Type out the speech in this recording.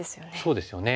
そうですよね。